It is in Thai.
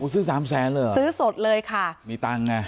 ซื้อสามแสนเหรอซื้อสดเลยค่ะมีตังค์ไง